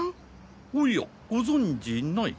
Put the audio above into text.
おやご存じない？